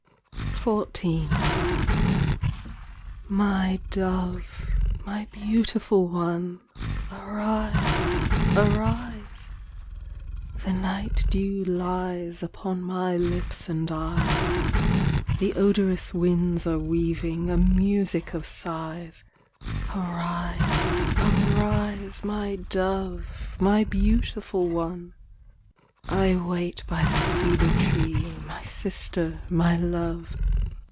XIV My dove, my beautiful one, Arise, arise ! The night dew lies Upon my lips and eyes. The odorous winds are weaving A music of sighs : Arise, arise, My dove, my beautiful one ! I wait by the cedar tree, My sister, my love.